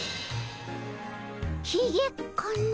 ひげかの？